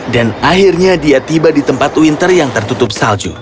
dan akhirnya dia tiba di tempat winter yang tertutup salju